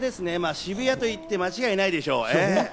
渋谷と言って間違いないでしょう。